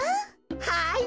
はい。